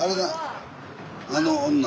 あの女。